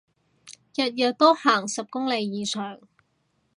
日日都行十公里以上